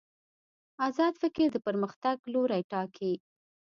ازاد فکر د پرمختګ لوری ټاکي.